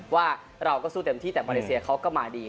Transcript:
ว่าเราก็สู้เต็มที่แต่มาเลเซียเขาก็มาดี